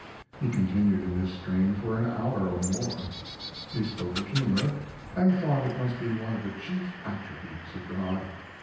He continued in this strain for an hour or more. He spoke of humor, and thought it must be one of the chief attributes of God.